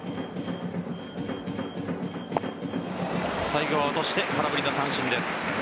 最後は落として空振りの三振です。